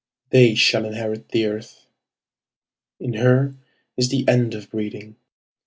They shall inherit the earth. In her is the end of breeding.